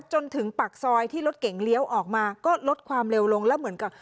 จนถึงปากซอยที่รถเก่งเลี้ยวออกมาก็ลดความเร็วลงแล้วเหมือนกับ